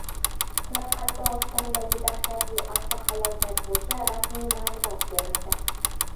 Qoraqalpog‘istondagi dahshatli avtofalokat bo‘yicha rasmiy ma’lumot berildi